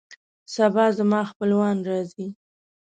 سبا زما خپلوان راځي